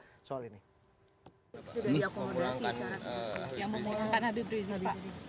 sudah diakomodasi sangat yang memulangkan habib rizieq